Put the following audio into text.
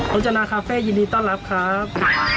จนาคาเฟ่ยินดีต้อนรับครับ